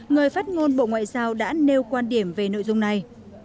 người phát ngôn bộ ngoại giao đã nêu quan điểm về nội dung này